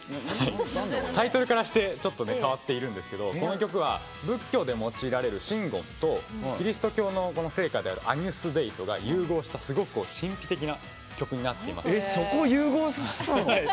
タイトルからして変わっているんですがこの曲は仏教で用いられる真言とキリスト教の聖歌である「アニュス・デイ」とが融合したすごく神秘的な曲になっています。